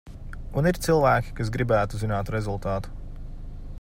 Un ir cilvēki, kas gribētu zināt rezultātu.